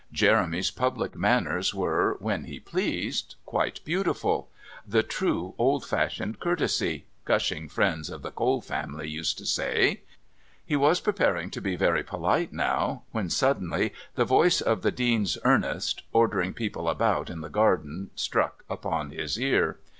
Jeremy's public manners were, when he pleased, quite beautiful "the true, old fashioned courtesy," gushing friends of the Cole family used to say. He was preparing to be very polite now, when suddenly the voice of the Dean's Ernest ordering people about in the garden struck upon his ear.